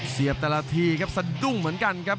เสียบแต่ละทีครับสะดุ้งเหมือนกันครับ